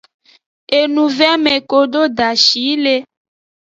Enuveame kodo dashi yi le.